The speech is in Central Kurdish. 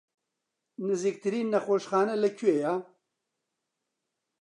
نزیکترین نەخۆشخانە لەکوێیە؟